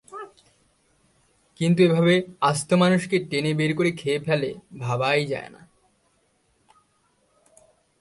কিন্তু এভাবে আস্ত মানুষকে টেনে বের করে খেয়ে ফেলে, ভাবাই যায় না।